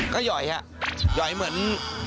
ก็ห่อยฮะหย่อยเหมือน